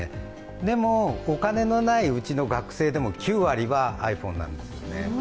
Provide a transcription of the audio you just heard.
でも、お金のないうちの学生でも９割はｉＰｈｏｎｅなんですよね。